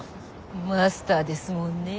マスターですもんねぇ。